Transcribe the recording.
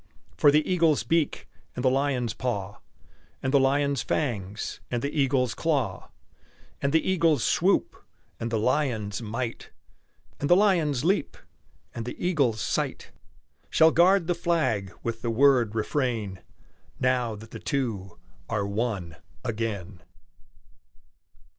For the eagle's beak, and the lion's paw, And the lion's fangs, and the eagle's claw, And the eagle's swoop, and the lion's might, And the lion's leap, and the eagle's sight, Shall guard the flag with the word "Refrain!" Now that the two are one again!